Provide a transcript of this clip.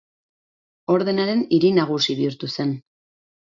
Ordenaren hiri nagusi bihurtu zen.